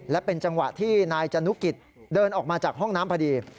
และเป็นจังหวะที่นายจนุกิจเดินออกมาจากห้องน้ำพอดี